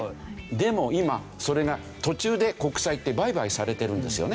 でも今それが途中で国債って売買されてるんですよね。